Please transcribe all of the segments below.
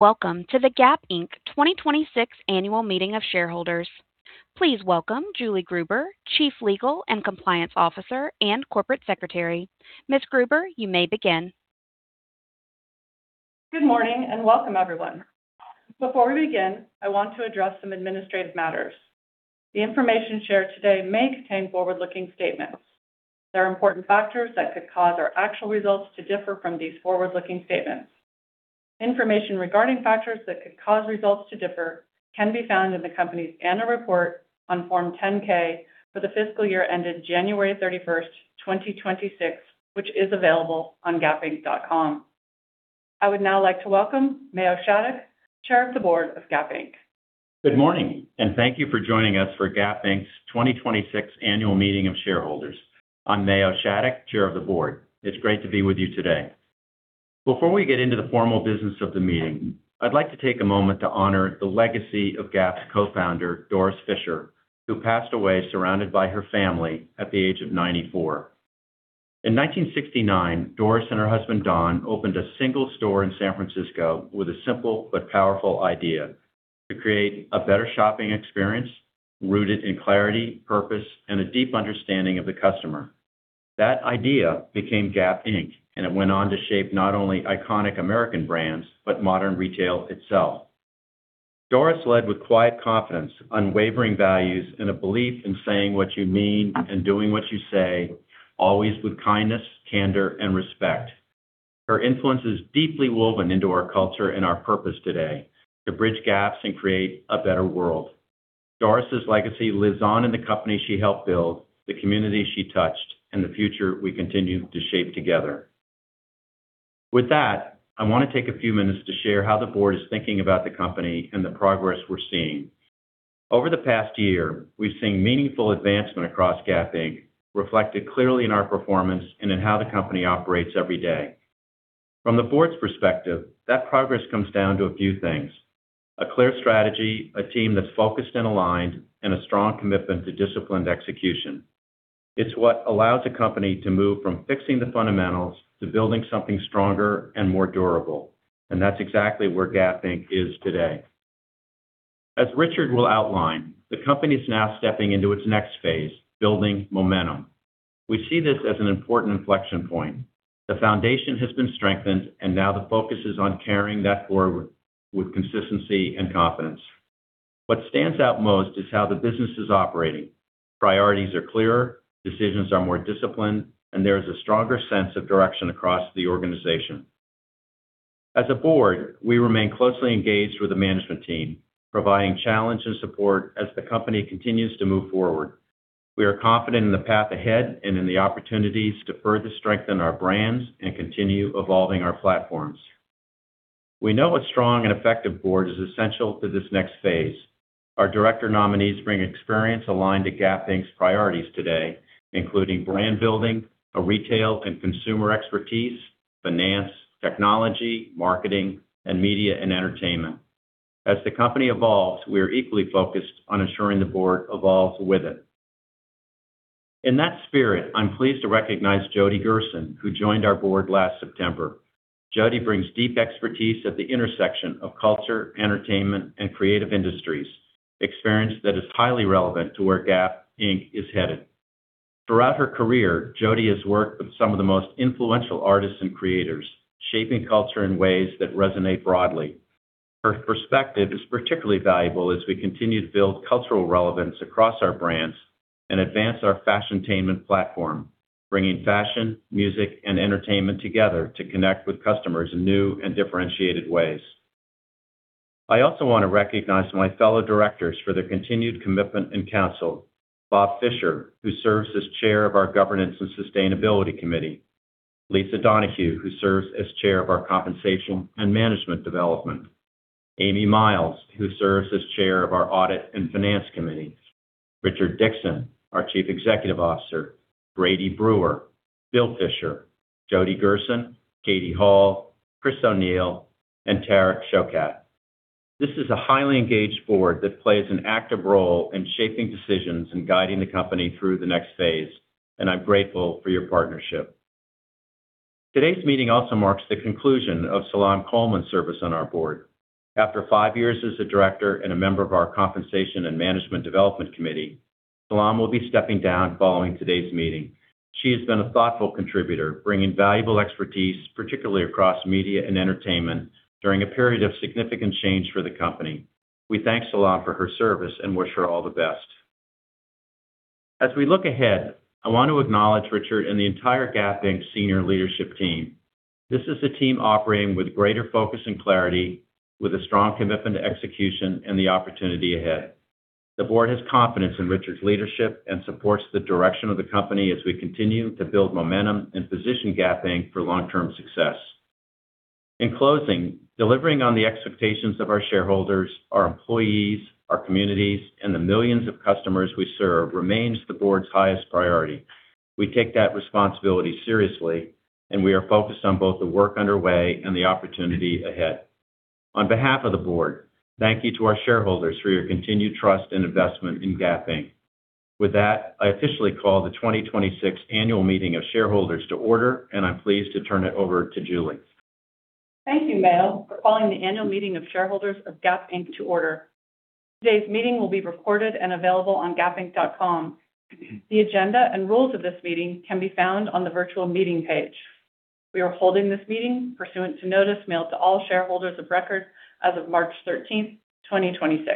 Welcome to the Gap Inc 2026 annual meeting of shareholders. Please welcome Julie Gruber, Chief Legal and Compliance Officer and Corporate Secretary. Ms. Gruber, you may begin. Good morning, and welcome, everyone. Before we begin, I want to address some administrative matters. The information shared today may contain forward-looking statements. There are important factors that could cause our actual results to differ from these forward-looking statements. Information regarding factors that could cause results to differ can be found in the company's annual report on Form 10-K for the fiscal year ended January 31st, 2026, which is available on gapinc.com. I would now like to welcome Mayo Shattuck, Chair of the Board of Gap Inc. Good morning, and thank you for joining us for Gap Inc's 2026 annual meeting of shareholders. I'm Mayo Shattuck, Chair of the Board. It's great to be with you today. Before we get into the formal business of the meeting, I'd like to take a moment to honor the legacy of Gap's co-founder, Doris Fisher, who passed away surrounded by her family at the age of 94. In 1969, Doris and her husband Don opened a single store in San Francisco with a simple but powerful idea: to create a better shopping experience rooted in clarity, purpose, and a deep understanding of the customer. That idea became Gap Inc., and it went on to shape not only iconic American brands, but modern retail itself. Doris led with quiet confidence, unwavering values, and a belief in saying what you mean and doing what you say, always with kindness, candor, and respect. Her influence is deeply woven into our culture and our purpose today: to bridge gaps and create a better world. Doris's legacy lives on in the company she helped build, the communities she touched, and the future we continue to shape together. With that, I want to take a few minutes to share how the board is thinking about the company and the progress we're seeing. Over the past year, we've seen meaningful advancement across Gap Inc., reflected clearly in our performance and in how the company operates every day. From the board's perspective, that progress comes down to a few things: a clear strategy, a team that's focused and aligned, and a strong commitment to disciplined execution. It's what allows a company to move from fixing the fundamentals to building something stronger and more durable, and that's exactly where Gap Inc is today. As Richard will outline, the company is now stepping into its next phase, building momentum. We see this as an important inflection point. The foundation has been strengthened, and now the focus is on carrying that forward with consistency and confidence. What stands out most is how the business is operating. Priorities are clearer, decisions are more disciplined, and there is a stronger sense of direction across the organization. As a board, we remain closely engaged with the management team, providing challenge and support as the company continues to move forward. We are confident in the path ahead and in the opportunities to further strengthen our brands and continue evolving our platforms. We know a strong and effective board is essential to this next phase. Our director nominees bring experience aligned to Gap Inc's priorities today, including brand building, a retail and consumer expertise, finance, technology, marketing, and media and entertainment. As the company evolves, we are equally focused on ensuring the board evolves with it. In that spirit, I'm pleased to recognize Jody Gerson, who joined our board last September. Jody brings deep expertise at the intersection of culture, entertainment, and creative industries, experience that is highly relevant to where Gap Inc is headed. Throughout her career, Jody has worked with some of the most influential artists and creators, shaping culture in ways that resonate broadly. Her perspective is particularly valuable as we continue to build cultural relevance across our brands and advance our Fashiontainment platform, bringing fashion, music, and entertainment together to connect with customers in new and differentiated ways. I also want to recognize my fellow directors for their continued commitment and counsel. Bob Fisher, who serves as Chair of our Governance and Sustainability Committee. Lisa Donohue, who serves as Chair of our Compensation and Management Development Committee. Amy Miles, who serves as Chair of our Audit and Finance Committee. Richard Dickson, our Chief Executive Officer. Brady Brewer, Bill Fisher, Jody Gerson, Kathryn Hall, Chris O'Neill, and Tariq Shaukat. This is a highly engaged board that plays an active role in shaping decisions and guiding the company through the next phase, and I'm grateful for your partnership. Today's meeting also marks the conclusion of Salaam Coleman's service on our board. After five years as a director and a member of our Compensation and Management Development Committee, Salaam will be stepping down following today's meeting. She has been a thoughtful contributor, bringing valuable expertise, particularly across media and entertainment, during a period of significant change for the company. We thank Salaam for her service and wish her all the best. As we look ahead, I want to acknowledge Richard and the entire Gap Inc senior leadership team. This is a team operating with greater focus and clarity, with a strong commitment to execution and the opportunity ahead. The board has confidence in Richard's leadership and supports the direction of the company as we continue to build momentum and position Gap Inc for long-term success. In closing, delivering on the expectations of our shareholders, our employees, our communities, and the millions of customers we serve remains the board's highest priority. We take that responsibility seriously, we are focused on both the work underway and the opportunity ahead. On behalf of the board, thank you to our shareholders for your continued trust and investment in Gap Inc. With that, I officially call the 2026 annual meeting of shareholders to order. I'm pleased to turn it over to Julie. Thank you, Mayo, for calling the annual meeting of shareholders of Gap Inc to order. Today's meeting will be recorded and available on gapinc.com. The agenda and rules of this meeting can be found on the virtual meeting page. We are holding this meeting pursuant to notice mailed to all shareholders of record as of March 13, 2026.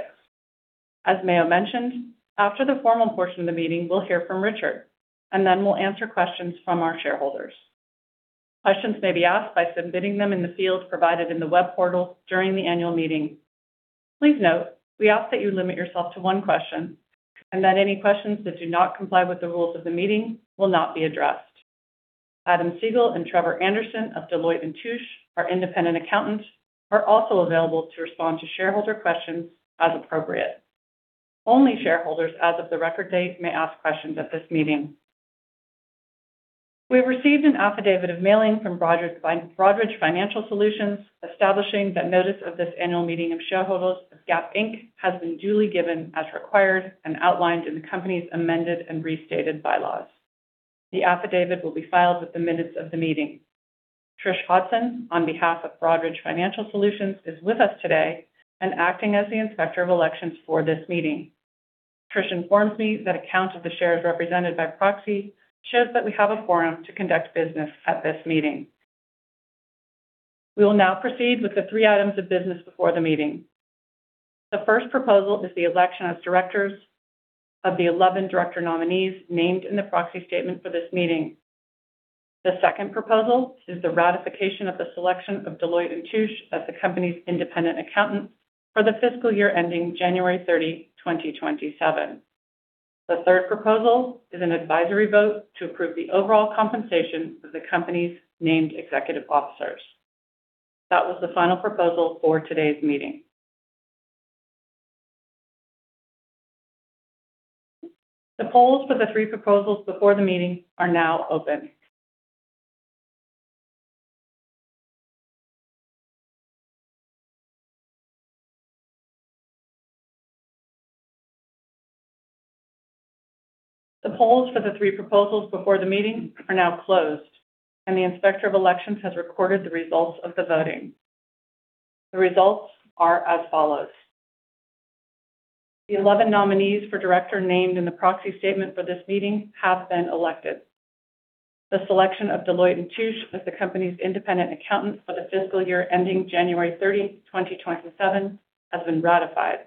As Mayo mentioned, after the formal portion of the meeting, we'll hear from Richard, and then we'll answer questions from our shareholders. Questions may be asked by submitting them in the field provided in the web portal during the annual meeting. Please note we ask that you limit yourself to one question, and that any questions that do not comply with the rules of the meeting will not be addressed. Adam Siegel and Trevor Anderson of Deloitte & Touche, our independent accountant, are also available to respond to shareholder questions as appropriate. Only shareholders as of the record date may ask questions at this meeting. We received an affidavit of mailing from Broadridge Financial Solutions establishing that notice of this annual meeting of shareholders of Gap Inc has been duly given as required and outlined in the company's amended and restated bylaws. The affidavit will be filed with the minutes of the meeting. Trish Hudson, on behalf of Broadridge Financial Solutions, is with us today and acting as the Inspector of Elections for this meeting. Trish informs me that a count of the shares represented by proxy shows that we have a quorum to conduct business at this meeting. We will now proceed with the three items of business before the meeting. The first proposal is the election as directors of the 11 director nominees named in the proxy statement for this meeting. The second proposal is the ratification of the selection of Deloitte & Touche as the company's independent accountant for the fiscal year ending January 30, 2027. The third proposal is an advisory vote to approve the overall compensation of the company's named executive officers. That was the final proposal for today's meeting. The polls for the three proposals before the meeting are now open. The polls for the three proposals before the meeting are now closed, and the Inspector of Elections has recorded the results of the voting. The results are as follows. The 11 nominees for director named in the proxy statement for this meeting have been elected. The selection of Deloitte & Touche as the company's independent accountant for the fiscal year ending January 30, 2027 has been ratified.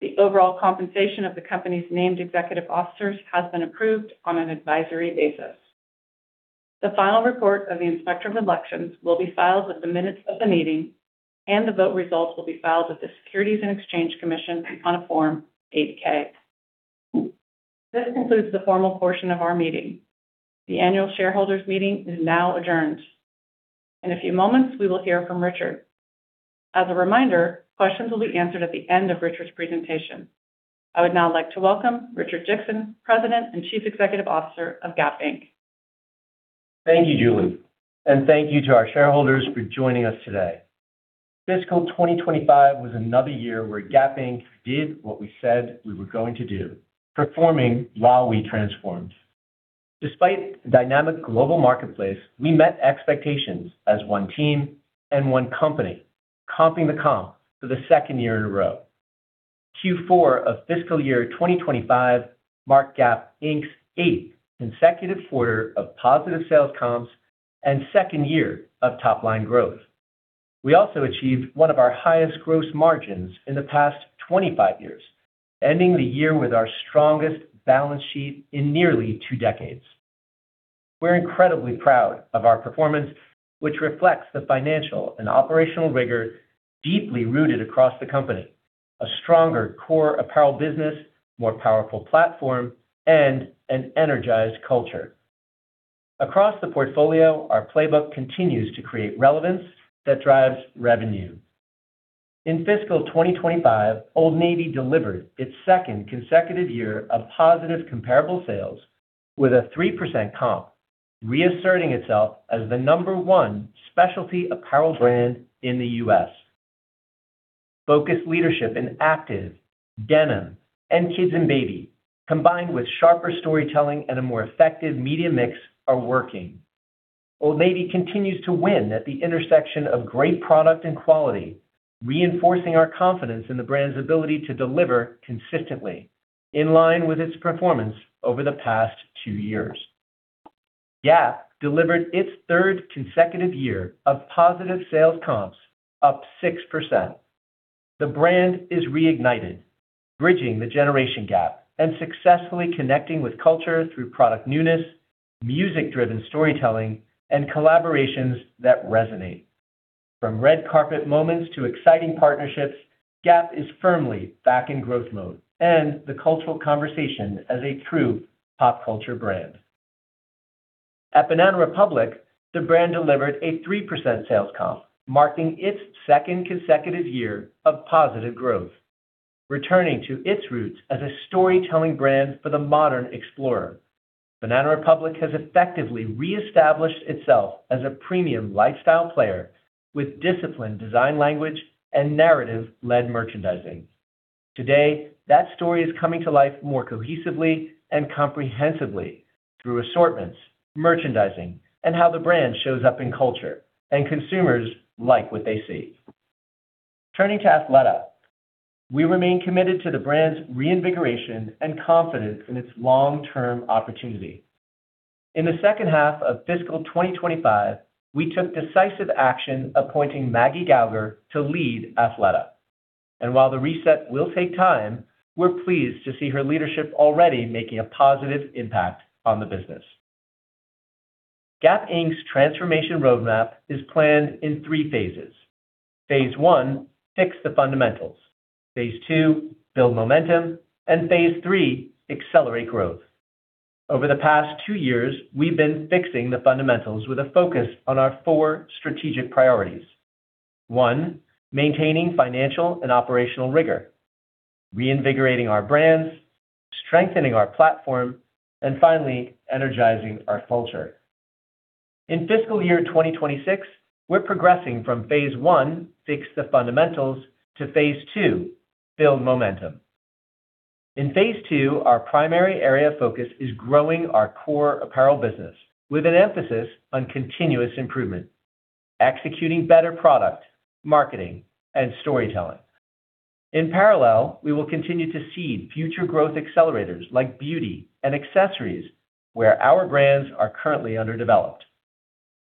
The overall compensation of the company's named executive officers has been approved on an advisory basis. The final report of the Inspector of Elections will be filed with the minutes of the meeting, and the vote results will be filed with the Securities and Exchange Commission on a Form 8-K. This concludes the formal portion of our meeting. The annual shareholders' meeting is now adjourned. In a few moments, we will hear from Richard. As a reminder, questions will be answered at the end of Richard's presentation. I would now like to welcome Richard Dickson, President and Chief Executive Officer of Gap Inc. Thank you, Julie, and thank you to our shareholders for joining us today. FY 2025 was another year where Gap Inc did what we said we were going to do, performing while we transformed. Despite dynamic global marketplace, we met expectations as one team and one company, comping the comp for the second year in a row. Q4 of FY 2025 marked Gap Inc's eighth consecutive quarter of positive sales comps and second year of top-line growth. We also achieved one of our highest gross margins in the past 25 years, ending the year with our strongest balance sheet in nearly two decades. We're incredibly proud of our performance, which reflects the financial and operational rigor deeply rooted across the company, a stronger core apparel business, more powerful platform, and an energized culture. Across the portfolio, our playbook continues to create relevance that drives revenue. In fiscal 2025, Old Navy delivered its second consecutive year of positive comparable sales with a 3% comp, reasserting itself as the number one specialty apparel brand in the U.S. Focused leadership in active, denim, and kids and baby, combined with sharper storytelling and a more effective media mix are working. Old Navy continues to win at the intersection of great product and quality, reinforcing our confidence in the brand's ability to deliver consistently, in line with its performance over the past two years. Gap delivered its third consecutive year of positive sales comps, up 6%. The brand is reignited, bridging the generation gap and successfully connecting with culture through product newness, music-driven storytelling, and collaborations that resonate. From red carpet moments to exciting partnerships, Gap is firmly back in growth mode and the cultural conversation as a true pop culture brand. At Banana Republic, the brand delivered a 3% sales comp, marking its second consecutive year of positive growth. Returning to its roots as a storytelling brand for the modern explorer. Banana Republic has effectively reestablished itself as a premium lifestyle player with disciplined design language and narrative-led merchandising. Today, that story is coming to life more cohesively and comprehensively through assortments, merchandising, and how the brand shows up in culture, and consumers like what they see. Turning to Athleta. We remain committed to the brand's reinvigoration and confidence in its long-term opportunity. In the second half of fiscal 2025, we took decisive action appointing Maggie Gauger to lead Athleta. While the reset will take time, we're pleased to see her leadership already making a positive impact on the business. Gap Inc's transformation roadmap is planned in three phases. Phase one, fix the fundamentals. Phase two, build momentum. Phase three, accelerate growth. Over the past two years, we've been fixing the fundamentals with a focus on our four strategic priorities. One, maintaining financial and operational rigor, reinvigorating our brands, strengthening our platform, and finally, energizing our culture. In fiscal year 2026, we're progressing from phase one, fix the fundamentals, to phase two, build momentum. In phase two, our primary area of focus is growing our core apparel business with an emphasis on continuous improvement, executing better product, marketing, and storytelling. In parallel, we will continue to seed future growth accelerators like beauty and accessories, where our brands are currently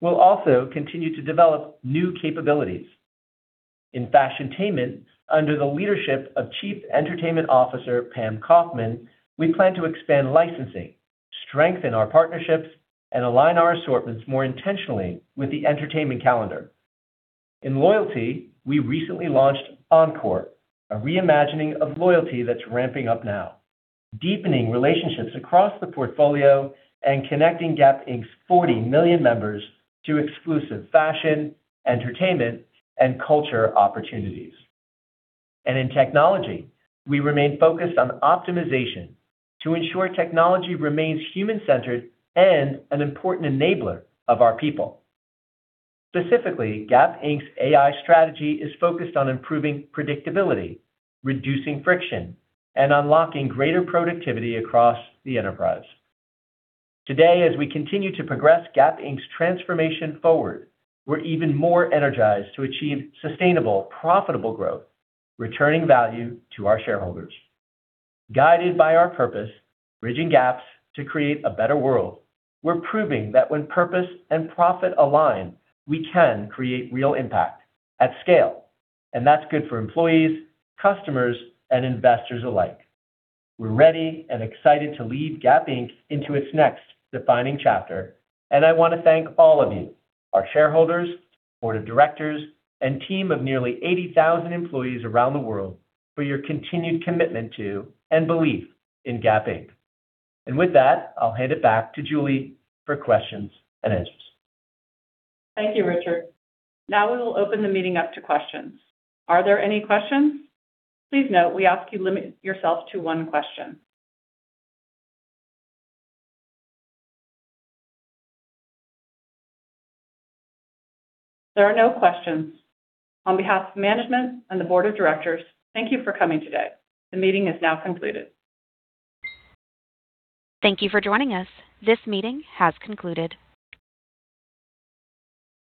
underdeveloped. We'll also continue to develop new capabilities. In Fashiontainment, under the leadership of Chief Entertainment Officer Pam Kaufman, we plan to expand licensing, strengthen our partnerships, and align our assortments more intentionally with the entertainment calendar. In loyalty, we recently launched Encore, a reimagining of loyalty that's ramping up now, deepening relationships across the portfolio and connecting Gap Inc's 40 million members to exclusive fashion, entertainment and culture opportunities. In technology, we remain focused on optimization to ensure technology remains human-centered and an important enabler of our people. Specifically, Gap Inc's AI strategy is focused on improving predictability, reducing friction, and unlocking greater productivity across the enterprise. Today, as we continue to progress Gap Inc's transformation forward, we're even more energized to achieve sustainable, profitable growth, returning value to our shareholders. Guided by our purpose, bridging gaps to create a better world, we're proving that when purpose and profit align, we can create real impact at scale, and that's good for employees, customers, and investors alike. We're ready and excited to lead Gap Inc into its next defining chapter. I wanna thank all of you, our shareholders, Board of Directors, and team of nearly 80,000 employees around the world for your continued commitment to and belief in Gap Inc. With that, I'll hand it back to Julie for questions and answers. Thank you, Richard. Now we will open the meeting up to questions. Are there any questions? Please note we ask you limit yourself to one question. There are no questions. On behalf of management and the board of directors, thank you for coming today. The meeting is now concluded. Thank you for joining us. This meeting has concluded.